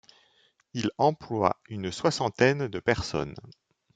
Il emploie une soixantaine de personnes.